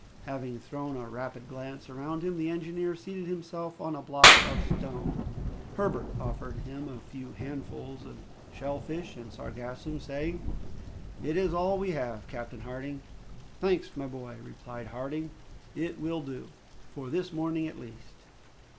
Having thrown a rapid glance around him, the engineer seated himself on a block of stone. Herbert offered him a few handfuls of shell fish and sargassum, saying, "It is all that we have, Captain Harding." "Thanks, my boy," replied Harding; "it will do for this morning at least."